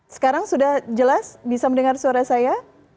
sekarang sudah jelas bisa mendengar suara saya